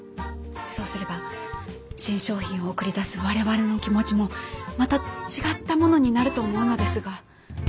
そうすれば新商品を送り出す我々の気持ちもまた違ったものになると思うのですが。